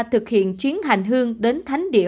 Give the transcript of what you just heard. thực hiện chuyến hành hương đến thánh địa